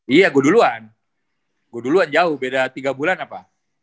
iya gue duluan gue duluan jauh beda tiga bulan apa